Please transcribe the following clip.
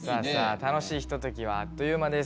楽しいひとときはあっという間です。